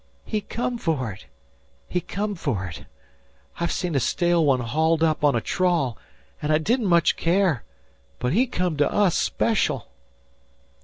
"He come for it. He come for it. I've seen a stale one hauled up on a trawl and I didn't much care, but he come to us special."